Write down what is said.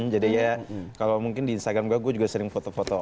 jadi ya kalau mungkin di instagram gue juga sering foto foto